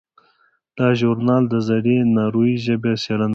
دا ژورنال د زړې ناروېي ژبې څیړنه کوي.